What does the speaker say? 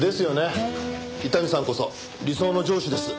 伊丹さんこそ理想の上司です。